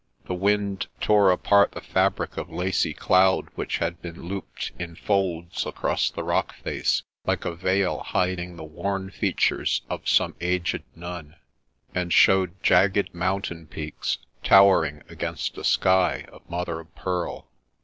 The wind tore apart the fabric of lacy cloud which had been looped in folds across the rock face, like a veil hiding the worn features of some aged nun, and showed jagged mountain peaks, towering against a sky of mother o' pearl.